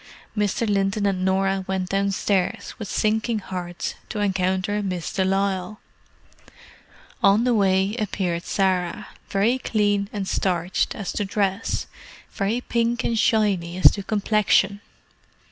Mr. Linton and Norah went downstairs, with sinking hearts, to encounter Miss de Lisle. On the way appeared Sarah; very clean and starched as to dress, very pink and shiny as to complexion.